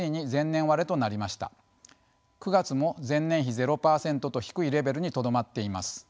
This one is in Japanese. ９月も前年比０％と低いレベルにとどまっています。